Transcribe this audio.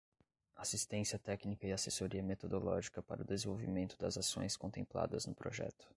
Assistência técnica e assessoria metodológica para o desenvolvimento das ações contempladas no projeto.